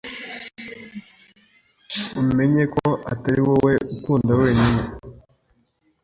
umenye ko atariwowe ukunda wenyine